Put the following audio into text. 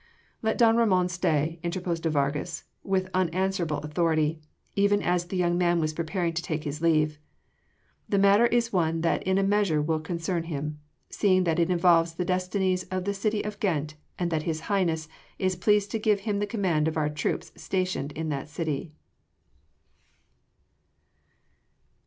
"Let don Ramon stay," interposed de Vargas with unanswerable authority, even as the young man was preparing to take his leave. "The matter is one that in a measure will concern him, seeing that it involves the destinies of the city of Ghent and that His Highness is pleased to give him the command of our troops stationed in that city."